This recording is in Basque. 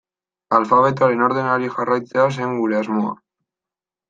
Alfabetoaren ordenari jarraitzea zen gure asmoa.